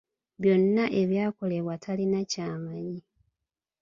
Byonna ebyakolebwa talina ky'amanyi.